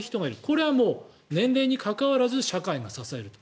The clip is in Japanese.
これは年齢に関わらず社会が支えると。